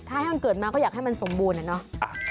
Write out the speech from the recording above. ถ้าให้มันเกิดมาก็อยากให้มันสมบูรณ์อะเนาะ